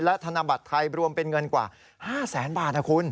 และธนบัตรไทยรวมเป็นเงินกว่า๕แสนบาทนะคุณ